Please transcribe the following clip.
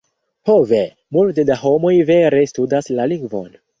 Ho ve, multe da homoj vere studas la lingvon.